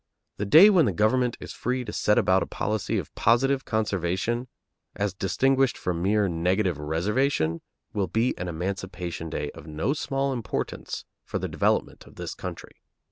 The day when the government is free to set about a policy of positive conservation, as distinguished from mere negative reservation, will be an emancipation day of no small importance for the development of the country.